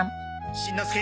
しんのすけ